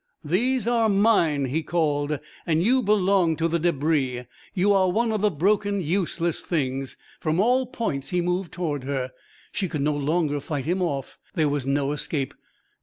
"These are mine!" he called. "And you belong to the débris. You are one of the broken, useless things." From all points he moved toward her. She could no longer fight him off. There was no escape.